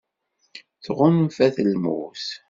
Tɣunfa-t lmut.